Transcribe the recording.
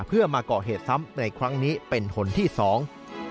เพื่อมาก่อเหตุซ้ำในครั้งนี้เป็นหนที่สอง